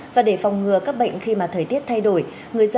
và để phòng ngừa các bệnh khi mà thời tiết thay đổi